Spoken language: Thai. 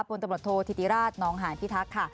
ผู้บรรจการธริติราชนองห่านพี่ทักค่ะ